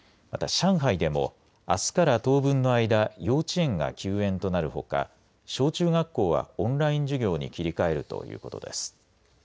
また上海でもあすから当分の間幼稚園が休園となるほか小中学校はオンライン授業に切り替えるということです。